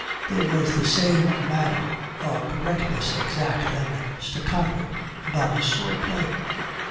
There was the same manner, a correctness exact and staccato, about this sword play.